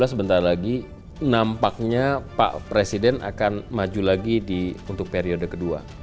dua ribu sembilan belas sebentar lagi nampaknya pak presiden akan maju lagi untuk periode kedua